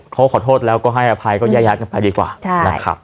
เขาขอโทษแล้วก็ให้อภัยก็แยะแยะกันไปดีกว่าใช่แล้วขับ